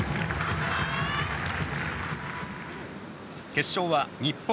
決勝は日本